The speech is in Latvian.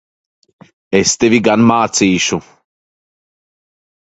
Es tevi gan mācīšu!